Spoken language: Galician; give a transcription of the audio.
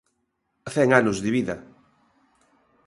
Cen anos de vida.